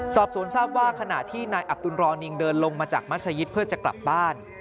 สอบสวนทราบว่าขณะที่นายอับตุลรอนิงเดินลงมาจากมัศยิตเพื่อจะกลับบ้าน